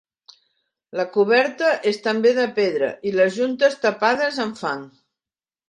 La coberta és també de pedra i les juntes tapades amb fang.